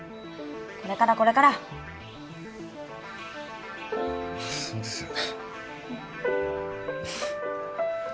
これからこれからそうですよね